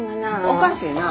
おかしいな。